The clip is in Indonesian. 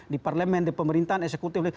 di parlemen di pemerintahan eksekutif